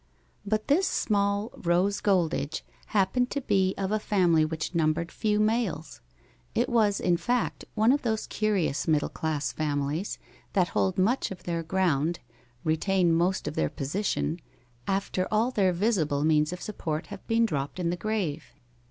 But this small Rose Goldege happened to be of a family which numbered few males. It was, in fact, one of those curious middle class families that hold much of their ground, retain most of their position, after all their visible means of support have been dropped in the grave.